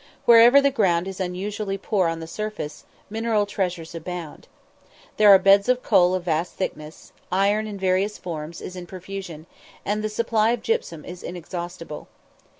Wherever the ground is unusually poor on the surface, mineral treasures abound. There are beds of coal of vast thickness; iron in various forms is in profusion, and the supply of gypsum is inexhaustible.